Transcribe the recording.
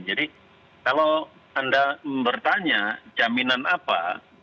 jadi kalau anda bertanya jaminan apa